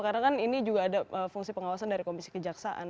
karena kan ini juga ada fungsi pengawasan dari komisi kejaksaan